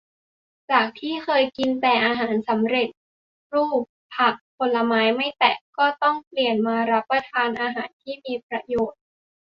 จากที่เคยกินแต่อาหารสำเร็จรูป ผักผลไม้ไม่แตะ ก็ต้องเปลี่ยนมารับประทานอาหารที่มีประโยชน์